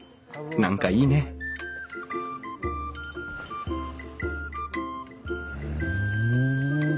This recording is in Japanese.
何かいいねふん。